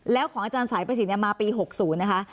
แล้วของอาจารย์สายประสิทธิ์มาปี๖๐นะคะ